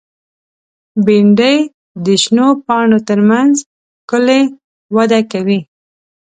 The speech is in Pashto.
بېنډۍ د شنو پاڼو تر منځ ښکلي وده کوي